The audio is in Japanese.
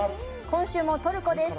今週もトルコです。